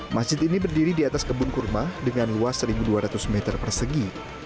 masjid ini berdiri di atas kebun kurma dengan luas satu dua ratus meter persegi